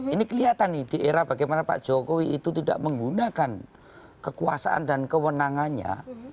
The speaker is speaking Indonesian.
ini kelihatan nih di era bagaimana pak jokowi itu tidak menggunakan kekuasaan dan kewenangannya